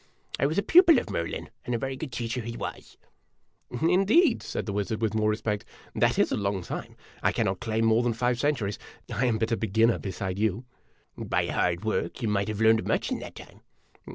I was a pupil of Merlin, and a very good teacher he was." A DUEL IN A DESERT 41 "Indeed!' 1 said the wizard, with more respect; "that is a long time. I cannot claim more than five centuries. I am but a be ginner beside you." " By hard work you might have learned much in that time."